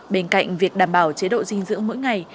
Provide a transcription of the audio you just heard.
bên cạnh việc đảm bảo chế độ dinh dưỡng mỗi ngày